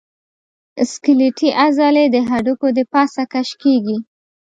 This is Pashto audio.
سکلیټي عضلې د هډوکو د پاسه کش کېږي.